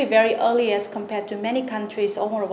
và bảo vệ doanh nghiệp